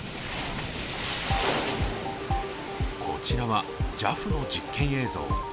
こちらはＪＡＦの実験映像。